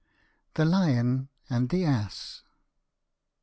THE LION AND THE ASS.